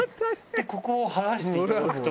でここを貼らしていただくと。